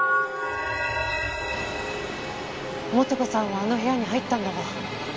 元子さんはあの部屋に入ったんだわ。